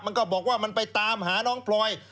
มันก็บอกว่ามันไปตามหาน้องพลอย